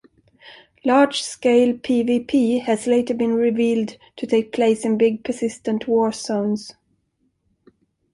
Large scale PvP has later been revealed to take place in big persistent warzones.